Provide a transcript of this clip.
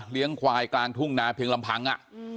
เลี้ยงควายกลางทุ่งนาเพียงลำพังอ่ะ